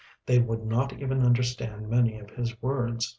They would not even understand many of his words.